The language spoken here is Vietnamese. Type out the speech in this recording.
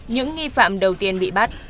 những nghi phạm đầu tiên bị bắt